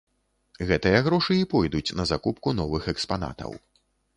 Гэтыя грошы і пойдуць на закупку новых экспанатаў.